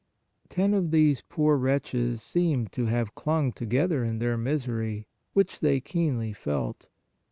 Ten of these poor wretches seem to have clung together in their misery, which they keenly felt.